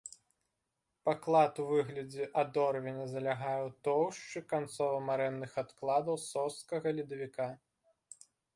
Паклад у выглядзе адорвеня залягае ў тоўшчы канцова-марэнных адкладаў сожскага ледавіка.